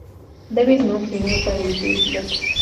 David Nutter firmó para dirigir el piloto.